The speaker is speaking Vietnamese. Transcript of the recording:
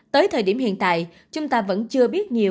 tới thời điểm hiện tại chúng ta vẫn chưa biết nhiều